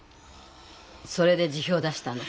それで辞表出したの？